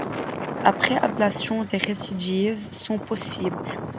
Après ablation, des récidives sont possibles.